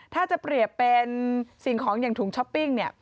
ถ้าจะเปรียบเป็นสิ่งของอย่างถุงช้อปปิ้งเนี่ย